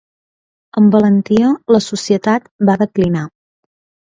Amb valentia, la societat va declinar.